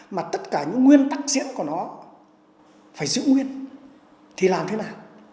mà tất cả những nguyên tắc diễn của nó phải giữ nguyên thì làm thế nào